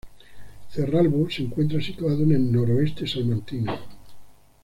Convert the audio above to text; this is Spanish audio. Cerralbo se encuentra situado en el noroeste salmantino.